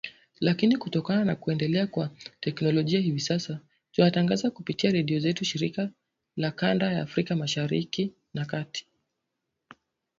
lakini kutokana na kuendelea kwa teknolojia hivi sasa tunatangaza kupitia redio zetu shirika za kanda ya Afrika Mashariki na Kati